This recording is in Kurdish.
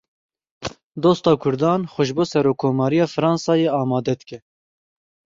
Dosta Kurdan xwe ji bo Serokkomariya Fransayê amade dike.